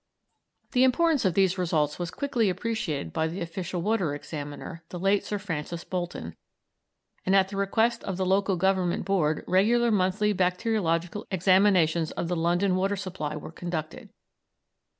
The importance of these results was quickly appreciated by the official water examiner, the late Sir Francis Bolton, and at the request of the Local Government Board regular monthly bacteriological examinations of the London water supply were conducted.